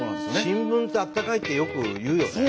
新聞ってあったかいってよく言うよね。